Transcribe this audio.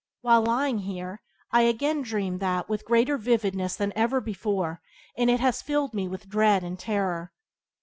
While lying here I again dreamed that with greater vividness than ever before and it has filled me with dread and terror.